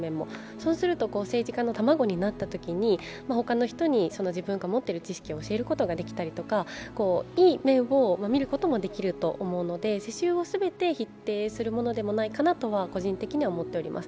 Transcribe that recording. そうすると政治家の卵になったときに他の人に自分が持っている知識を教えることができたりとかいい面を見ることもできると思うので、世襲を全て否定するものではないかなと、個人的には思っております。